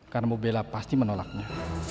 karena bu bella pasti menolaknya